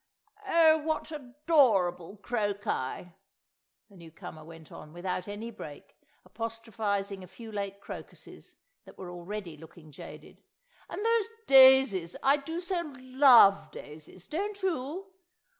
"Oh, what adorable kroki!" the newcomer went on, without any break, apostrophising a few late crocuses that were already looking jaded. "And those daisies! I do so love daisies, don't you?